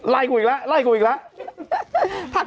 กูอีกแล้วไล่กูอีกแล้ว